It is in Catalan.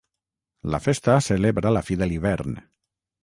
La festa celebra la fi de l'hivern.